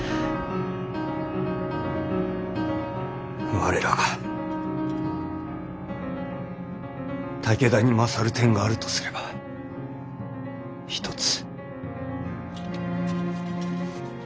我らが武田に勝る点があるとすれば一つ。